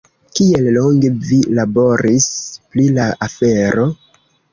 Kiel longe vi laboris pri la afero?